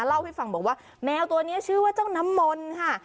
เล่าให้ฟังบอกว่าแมวตัวนี้ชื่อว่าเจ้าน้ำมนต์ค่ะ